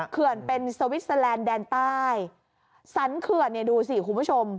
เขื่อนเป็นสวิสเตอร์แลนด์แดนใต้สรรเขื่อนเนี่ยดูสิคุณผู้ชม